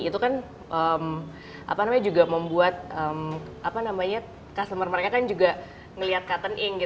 itu kan juga membuat customer mereka kan juga melihat cotton in